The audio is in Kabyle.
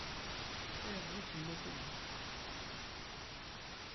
Ayɣer ay kem-mazal da?